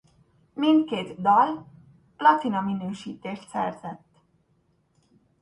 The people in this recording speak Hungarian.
Mindkét dal platina minősítést szerzett.